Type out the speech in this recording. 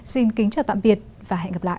xin kính chào tạm biệt và hẹn gặp lại